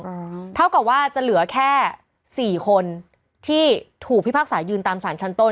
อืมเท่ากับว่าจะเหลือแค่สี่คนที่ถูกพิพากษายืนตามสารชั้นต้น